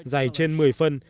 dài trên một mươi phân